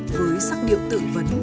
với sắc điệu tự vấn